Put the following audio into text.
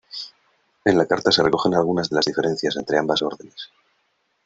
En la carta se recogen algunas de las diferencias entre ambas órdenes.